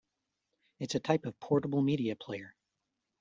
It is a type of Portable Media Player.